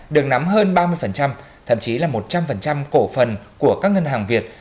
được nắm hơn ba mươi thậm chí là một trăm linh cổ phần của các ngân hàng việt